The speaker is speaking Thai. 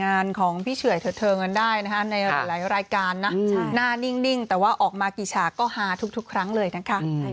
รายการนะหน้านิ่งแต่ว่าออกมากี่ฉาก็ฮาทุกครั้งเลยนะคะ